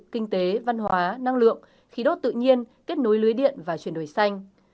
kinh tế văn hóa năng lượng khí đốt tự nhiên kết nối lưới điện và chuyển đổi xanh